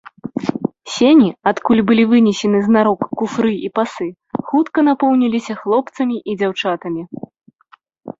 Сені, адкуль былі вынесены знарок куфры і пасы, хутка напоўніліся хлопцамі і дзяўчатамі.